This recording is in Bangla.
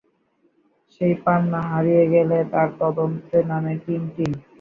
সেই পান্না হারিয়ে গেলে তার তদন্তে নামে টিনটিন।